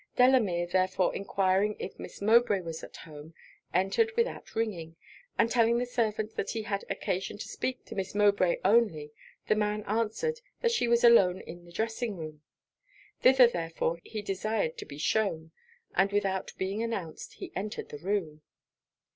Delamere therefore enquiring if Miss Mowbray was at home, entered without ringing, and telling the servant that he had occasion to speak to Miss Mowbray only, the man answered, 'that she was alone in the dressing room.' Thither therefore he desired to be shewn; and without being announced, he entered the room.